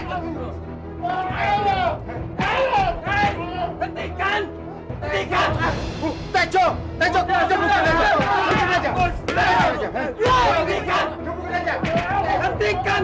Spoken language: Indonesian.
dengan peluang yang banyak